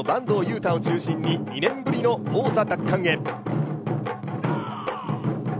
汰を中心に２年ぶりの王座奪還へ。